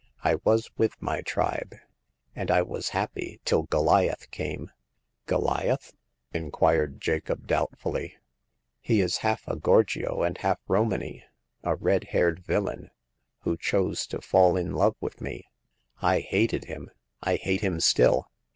" I was with my tribe, and I was happy till Goliath came." ^^ Goliath ?" inquired Jacobs doubtfully. The Coming of Hagar. 19 " He is half a Gorgio and half Romany— a red haired villain, who chose to fall in love with me. I hated him. I hate him still